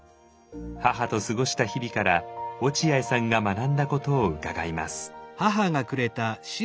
母と過ごした日々から落合さんが学んだことを伺います。